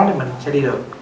thì mình sẽ đi được